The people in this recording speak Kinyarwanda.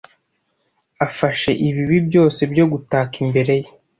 afashe ibibi byose byo gutaka imbere ye